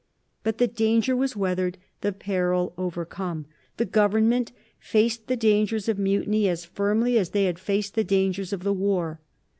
But the danger was weathered, the peril overcome. The Government faced the dangers of mutiny as firmly as they had faced the dangers of the war.